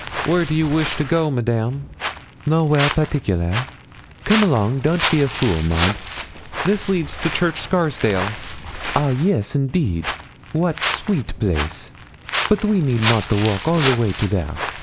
'Where do you wish to go, Madame?' 'Nowhere particular come along; don't be fool, Maud.' 'This leads to Church Scarsdale.' 'A yes indeed! wat sweet place! bote we need not a walk all the way to there.'